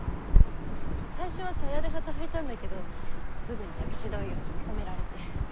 最初は茶屋で働いたんだけどすぐに薬種問屋に見初められて。